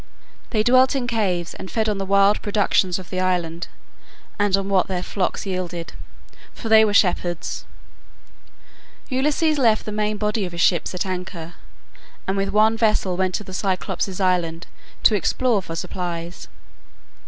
They dwelt in caves and fed on the wild productions of the island and on what their flocks yielded, for they were shepherds. Ulysses left the main body of his ships at anchor, and with one vessel went to the Cyclopes' island to explore for supplies.